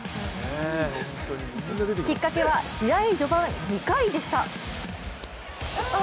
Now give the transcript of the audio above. きっかけは試合序盤、２回でした。